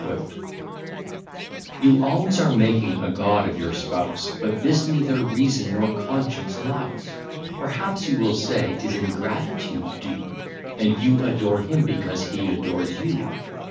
SWIFT You always are making a god of your spouse; But this neither Reason nor Conscience allows; Perhaps you will say, 'tis in gratitude due, And you adore him, because he adores you.